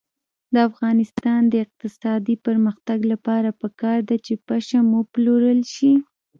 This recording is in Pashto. د افغانستان د اقتصادي پرمختګ لپاره پکار ده چې پشم وپلورل شي.